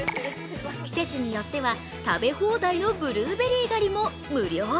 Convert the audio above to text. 季節によっては、食べ放題のブルーベリー狩りも無料。